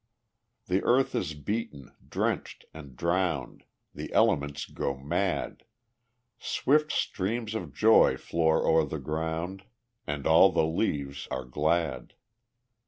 The earth is beaten, drenched and drowned, The elements go mad; Swift streams of joy flow o'er the ground, And all the leaves are glad.